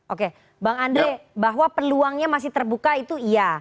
oke bang andre bahwa peluangnya masih terbuka itu iya